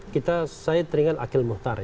kita saya teringat akhil muhtar